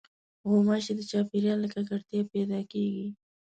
غوماشې د چاپېریال له ککړتیا پیدا کېږي.